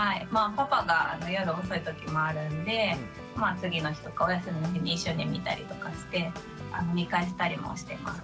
パパが夜遅いときもあるんでまあ次の日とかお休みの日に一緒に見たりとかして見返したりもしてます。